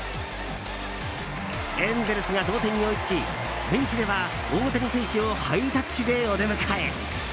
エンゼルスが同点に追いつきベンチでは大谷選手をハイタッチでお出迎え。